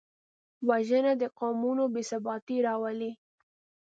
وژنه د قومونو بېثباتي راولي